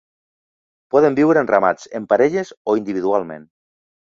Poden viure en ramats, en parelles o individualment.